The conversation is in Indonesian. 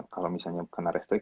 kalo misalnya kena restrict